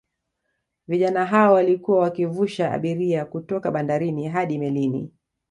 Vijana hao walikuwa wakivusha abiria kutoka bandarini hadi melini